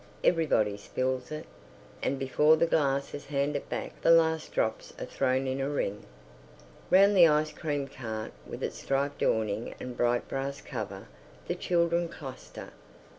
Everybody spills it, and before the glass is handed back the last drops are thrown in a ring. Round the ice cream cart, with its striped awning and bright brass cover, the children cluster.